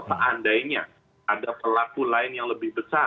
seandainya ada pelaku lain yang lebih besar